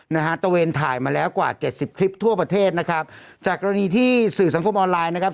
นะฮะตะเวนถ่ายมาแล้วกว่าเจ็ดสิบคลิปทั่วประเทศนะครับจากกรณีที่สื่อสังคมออนไลน์นะครับ